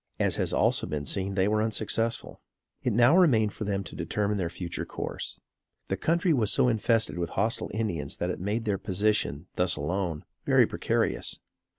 As has also been seen, they were unsuccessful. It now remained for them to determine their future course. The country was so infested with hostile Indians that it made their position, thus alone, very precarious.